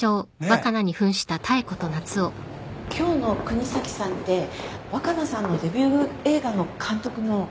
あの今日の國東さんって若菜さんのデビュー映画の監督の？